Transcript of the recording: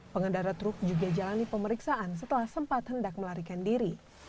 pengendara truk juga jalani pemeriksaan setelah sempat hendak melarikan diri